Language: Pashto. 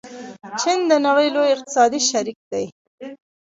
چین د نړۍ لوی اقتصادي شریک دی.